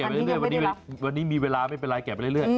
ไปเรื่อยวันนี้มีเวลาไม่เป็นไรแกะไปเรื่อย